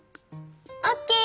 オッケー！